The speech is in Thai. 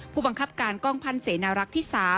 ผู้บังคับการกองพันธ์เสนารักษ์ที่๓